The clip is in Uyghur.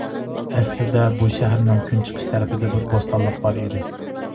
ئەسلىدە بۇ شەھەرنىڭ كۈنچىقىش تەرىپىدە بىر بوستانلىق بار ئىدى.